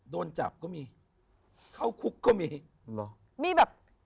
โดนจับก็มีเข้าคุกก็มีเหรอมีแบบ